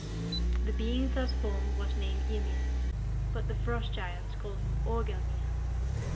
The being thus formed was named Ymir, but the Frost giants call him Orgelmir.